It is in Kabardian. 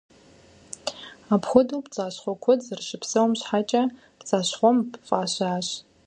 Апхуэдэу пцӏащхъуэ куэд зэрыщыпсэум щхьэкӏэ «Пцӏащхъуэмб» фӏащащ.